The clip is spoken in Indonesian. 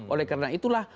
oleh karena itulah